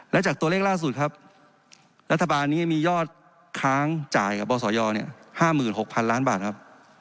และจากตัวเลขล่าสุดครับรัฐบาลนี้มียอดค้างจ่ายกับบศย๕๖๐๐๐ล้านบาทครับ